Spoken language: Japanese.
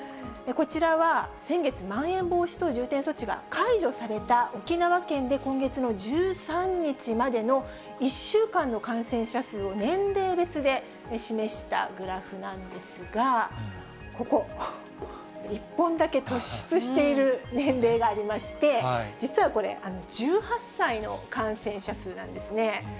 こちらは、先月、まん延防止等重点措置が解除された沖縄県で、今月の１３日までの１週間の感染者数を、年齢別で示したグラフなんですが、ここ、１本だけ突出している年齢がありまして、実はこれ、１８歳の感染者数なんですね。